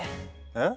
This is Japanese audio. えっ？